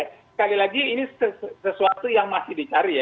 sekali lagi ini sesuatu yang masih dicari ya